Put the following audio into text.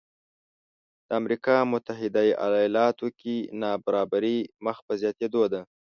د امریکا متحده ایالاتو کې نابرابري مخ په زیاتېدو ده